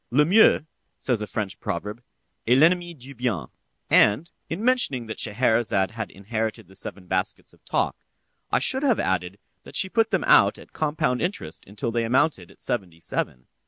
"Le mieux," says a French proverb, "est l'ennemi du bien," and, in mentioning that Scheherazade had inherited the seven baskets of talk, I should have added that she put them out at compound interest until they amounted to seventy seven.